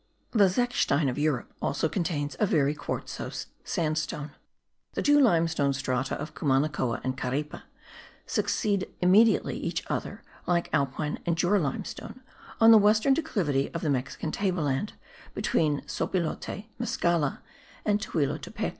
The zechstein of Europe also contains a very quartzose sandstone. The two limestone strata of Cumanacoa and Caripe succeed immediately each other, like Alpine and Jura limestone, on the western declivity of the Mexican table land, between Sopilote, Mescala and Tehuilotepec.